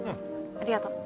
ありがとう。